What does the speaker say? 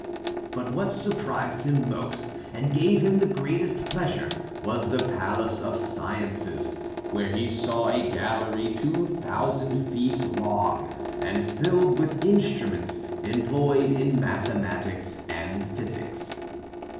But what surprised him most and gave him the greatest pleasure was the palace of sciences, where he saw a gallery two thousand feet long, and filled with instruments employed in mathematics and physics.